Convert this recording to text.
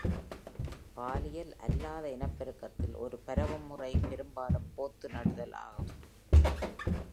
பாலியல் அல்லாத இனப்பெருக்கத்தில், ஒரு பரவும்முறை பெரும்பாலும் போத்து நடுதல் ஆகும்.